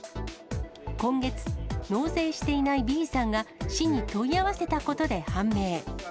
今月、納税していないＢさんが、市に問い合わせたことで判明。